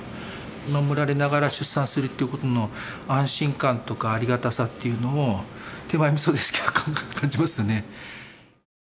見守られながら出産するということの安心感とかありがたさっていうのを手前みそですけど感じますね。